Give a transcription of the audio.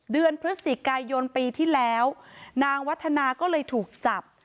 เดือนพฤศจิกายนปีที่แล้วนางวัฒนาก็เลยถูกจับ